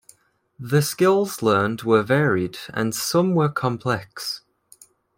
The skills learned were varied, and some were complex.